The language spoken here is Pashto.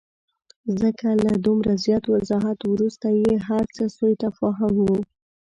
ځکه له دومره زیات وضاحت وروسته چې هرڅه سوءتفاهم وو.